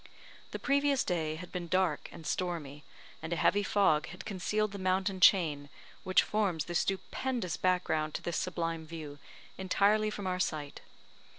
The previous day had been dark and stormy, and a heavy fog had concealed the mountain chain, which forms the stupendous background to this sublime view, entirely from our sight.